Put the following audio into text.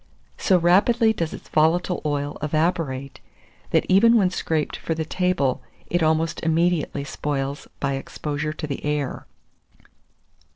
So rapidly does its volatile oil evaporate, that even when scraped for the table, it almost immediately spoils by exposure to the air.